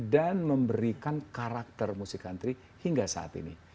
dan memberikan karakter musik country hingga saat ini